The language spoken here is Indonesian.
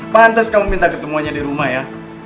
pantas kamu minta ketemuannya di rumah ya